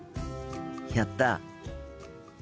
やった！